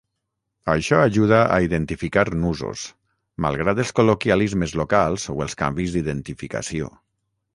Això ajuda a identificar nusos, malgrat els col·loquialismes locals o els canvis d'identificació.